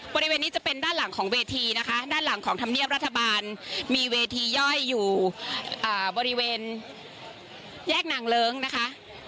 บริเวณนี้จะเป็นด้านหลังของเวทีนะคะด้านหลังของธรรมเนียบรัฐบาลมีเวทีย่อยอยู่บริเวณแยกนางเลิ้งนะคะ